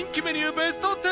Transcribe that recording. ベスト１０